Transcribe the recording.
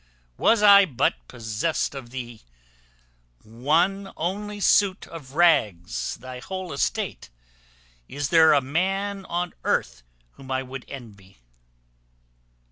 Was I but possessed of thee, one only suit of rags thy whole estate, is there a man on earth whom I would envy!